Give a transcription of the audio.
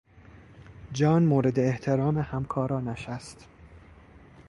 جان مورد احترام همکارانش است.